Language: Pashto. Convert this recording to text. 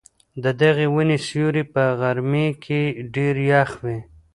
د دغې وني سیوری په غرمې کي ډېر یخ وي.